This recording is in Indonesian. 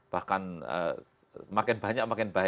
bahkan semakin banyak makin banyak